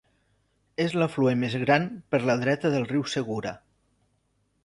És l'afluent més gran per la dreta del riu Segura.